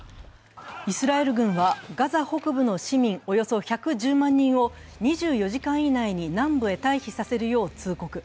イスラエル軍はガザ北部の市民およそ１１０万人を２４時間以内に南部へ退避させるよう通告。